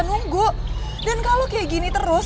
nunggu dan kalau kayak gini terus